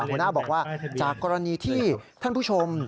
หัวหน้าบอกว่าจากกรณีที่ท่านผู้ชม